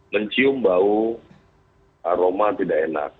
mencium bau aroma tidak enak